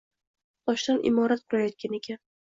Toshdan imorat qurayotgan ekan